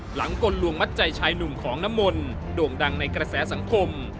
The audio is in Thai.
กลลวงมัดใจชายหนุ่มของน้ำมนต์โด่งดังในกระแสสังคม